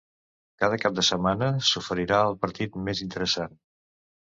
Cada cap de setmana s'oferirà el partit més interessant